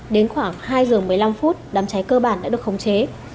đến khoảng hai giờ một mươi năm phút đám cháy cơ bản đã được khống chế